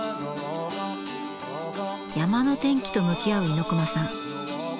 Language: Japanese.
山の天気と向き合う猪熊さん。